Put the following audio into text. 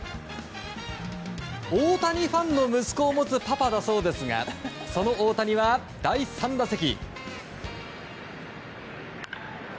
大谷ファンの息子を持つパパだそうですがその大谷は第３打席。